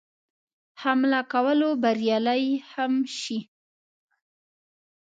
حمله کولو بریالی هم شي.